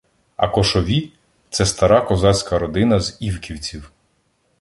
А Кошові — це стара козацька родина з Івківців.